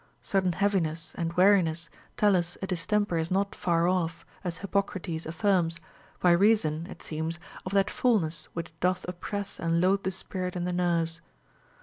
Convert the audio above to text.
Sudden heaviness and weariness tell us a distemper is not far off, as Hippocrates aiRnns, by reason (it seems) of that fulness which doth oppress and load the spirit in the nerves.